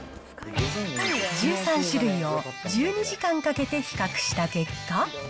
１３種類を１２時間かけて比較した結果。